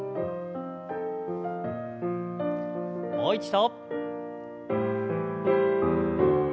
もう一度。